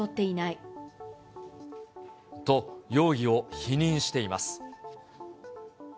と、容疑を否認しています。